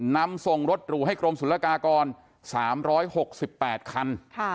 นำส่งรถหรูให้กรมศุลกากร๓๖๘คัน